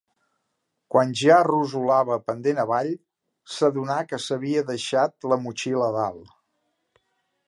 Quan ja rossolava pendent avall, s'adonà que s'havia deixat la motxilla a dalt.